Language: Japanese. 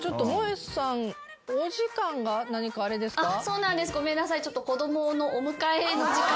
そうなんですごめんなさい。